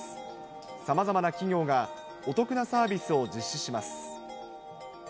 さまざまな企業がお得なサービスを実施します。